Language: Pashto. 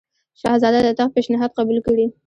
شهزاده د تخت پېشنهاد قبول کړي.